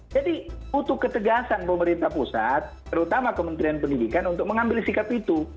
jadi butuh ketegasan pemerintah pusat terutama kementerian pendidikan untuk mengambil sikap itu